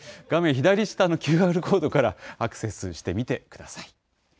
画面左下のＱＲコードからアクセスしてみてください。